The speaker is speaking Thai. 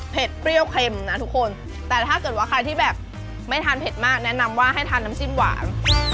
เปรี้ยวเค็มนะทุกคนแต่ถ้าเกิดว่าใครที่แบบไม่ทานเผ็ดมากแนะนำว่าให้ทานน้ำจิ้มหวาน